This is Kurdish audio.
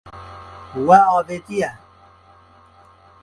We avêtiye.